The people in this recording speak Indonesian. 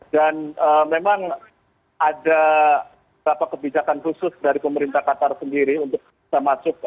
dan memang ada beberapa kebijakan khusus dari pemerintah qatar sendiri untuk bisa masuk